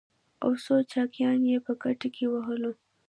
او څو چاقيانې يې په ګېډه کې ووهو.